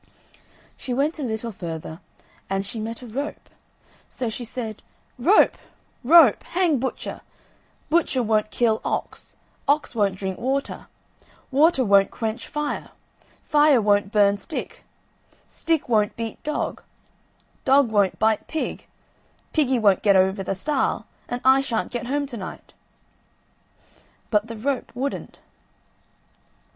She went a little further, and she met a rope. So she said: "Rope! rope! hang butcher; butcher won't kill ox; ox won't drink water; water won't quench fire; fire won't burn stick; stick won't beat dog; dog won't bite pig; piggy won't get over the stile; and I shan't get home to night." But the rope wouldn't.